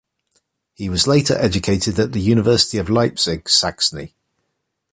He was later educated at the University of Leipzig, Saxony.